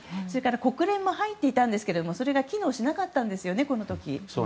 それから国連も入っていたんですけどそれが機能しなかったんですね。